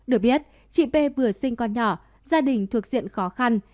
được biết chị p vừa sinh con nhỏ gia đình thuộc diện khó khăn